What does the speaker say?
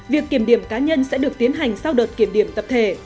việc kiểm điểm cá nhân sẽ được tiến hành sau đợt kiểm điểm tập thể